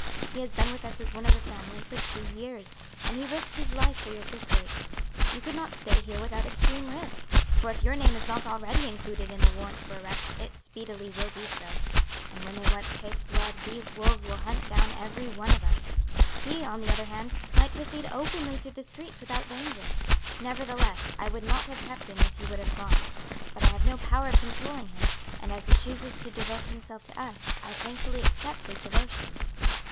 "He has been with us as one of the family for two years, and he risked his life for your sisters. You could not stay here without extreme risk, for if your name is not already included in the warrant for arrest it speedily will be so, and when they once taste blood these wolves will hunt down every one of us. He, on the other hand, might proceed openly through the streets without danger; nevertheless, I would not have kept him if he would have gone; but I have no power of controlling him, and as he chooses to devote himself to us I thankfully accept his devotion.